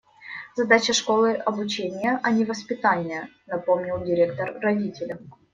«Задача школы - обучение, а не воспитание», - напомнил директор родителям.